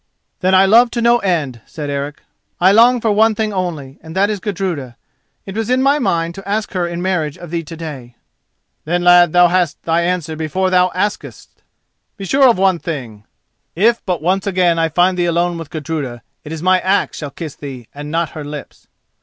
"Then I love to no end," said Eric; "I long for one thing only, and that is Gudruda. It was in my mind to ask her in marriage of thee to day." "Then, lad, thou hast thy answer before thou askest. Be sure of one thing: if but once again I find thee alone with Gudruda, it is my axe shall kiss thee and not her lips."